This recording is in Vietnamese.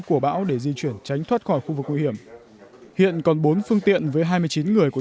của bão để di chuyển tránh thoát khỏi khu vực nguy hiểm hiện còn bốn phương tiện với hai mươi chín người của